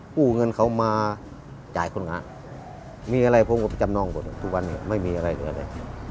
กู้เงินเขามาจ่ายคนงานมีอะไรผมก็ไปจำนองหมดทุกวันนี้ไม่มีอะไรเหลือเลย